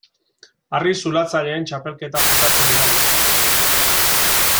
Harri-zulatzaileen txapelketak jokatzen dira Bizkaian.